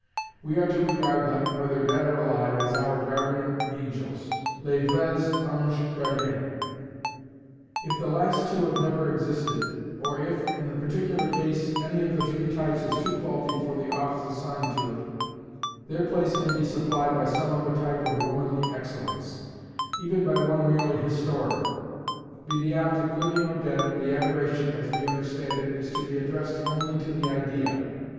We are to regard them, whether dead or alive, as our guardian angels, "les vrais anges gardiens." If the last two have never existed, or if, in the particular case, any of the three types is too faulty for the office assigned to it, their place may be supplied by some other type of womanly excellence, even by one merely historical. Be the object living or dead, the adoration (as we understand it) is to be addressed only to the idea.